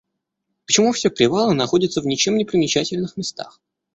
Почему все привалы находятся в ничем непримечательных местах?